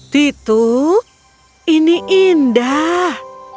titu ini indah